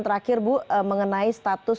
terakhir bu mengenai status